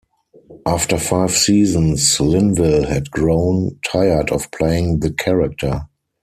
After five seasons, Linville had grown tired of playing the character.